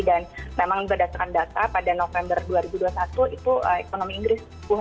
dan memang berdasarkan data pada november dua ribu dua puluh satu itu ekonomi inggris sembilan